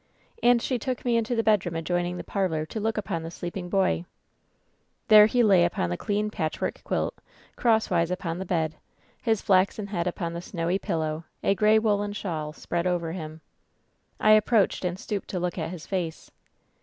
And she took me into the bedroom adjoining the parlor to look i^^ upon the sleeping boy. y^i^\ "There he lay upon the clean patqhwork quilt, cross wise upon the bed, his flaxen head upon the snowy pil low, a gray woolen shawl spread over him. ''^'^\H "I approached and stooped to look at his face.